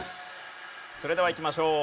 それではいきましょう。